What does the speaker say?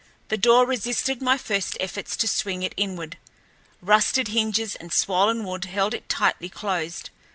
The door resisted my first efforts to swing it inward. Rusted hinges and swollen wood held it tightly closed.